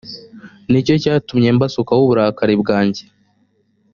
ni cyo cyatumye mbasukaho uburakari bwanjye.